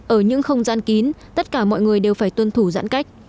ở những không gian kín tất cả mọi người đều phải tuân thủ giãn cách